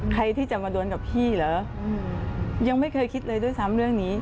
ใครที่จะมาโดนกับพี่เหรอยังไม่เคยคิดเลยด้วยซ้ำเรื่องนี้